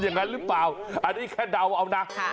อย่างนั้นหรือเปล่าอันนี้แค่เดาเอานะ